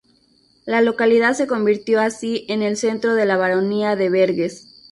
La localidad se convirtió así en el centro de la baronía de Verges.